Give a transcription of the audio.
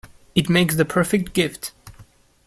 It makes the perfect gift.